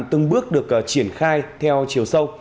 từng bước được triển khai theo chiều sâu